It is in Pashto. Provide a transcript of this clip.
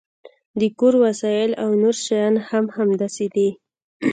د کور وسایل او نور شیان هم همداسې دي